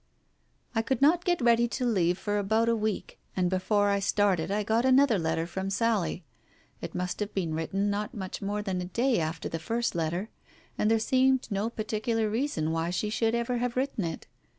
I could not get ready to leave for about a week, and before I started I got another letter from Sally. It must have been written not much more than a day after the first letter, and there seemed no particular reason why she should ever have written it.